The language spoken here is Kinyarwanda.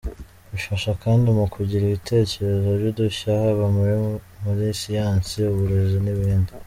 Bifasha kandi mu kugira ibitekerezo by’udushya haba muri muri siyansi, uburezi n’ibindi.